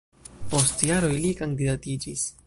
Post jaroj li kandidatiĝis.